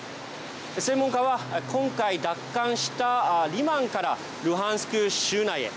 専門家は、今回奪還したリマンからルハンシク州内へ。